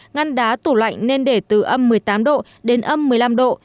ngăn đá tủ lạnh nên để từ âm một mươi tám độ đến âm một mươi năm độ